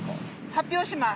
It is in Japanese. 発表します！